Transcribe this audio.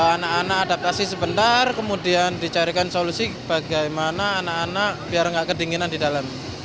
anak anak adaptasi sebentar kemudian dicarikan solusi bagaimana anak anak biar nggak kedinginan di dalam